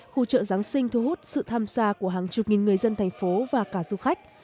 khu chợ giáng sinh thu hút sự tham gia của hàng chục nghìn người dân thành phố và cả du khách